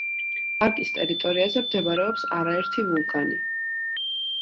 პარკის ტერიტორიაზე მდებარეობს არაერთი ვულკანი.